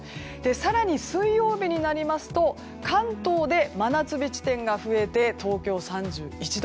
更に、水曜日になりますと関東で真夏日地点が増えて東京３１度。